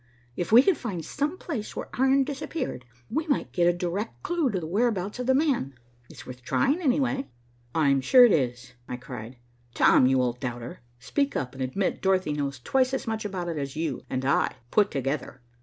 If we could find some place where iron disappeared, we might get a direct clue to the whereabouts of the man. It's worth trying, anyway." "I'm sure it is," I cried. "Tom, you old doubter, speak up and admit Dorothy knows twice as much about it as you and I put together."